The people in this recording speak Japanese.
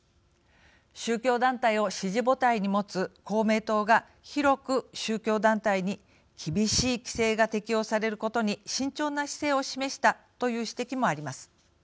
宗教団体を支持母体に持つ公明党が、広く宗教団体に厳しい規制が適用されることに慎重な姿勢を示したという指摘もあります。